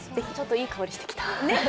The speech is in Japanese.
ちょっといい香りしてきた。